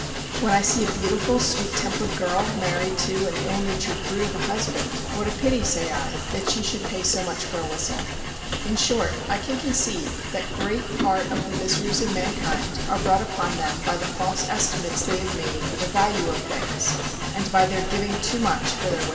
When I see a beautiful, sweet tempered girl married to an ill natured brute of a husband, What a pity, say I, that she should pay so much for a whistle! In short, I can conceive that great part of the miseries of mankind are brought upon them by the false estimates they have made of the value of things, and by their giving too much for their whistle.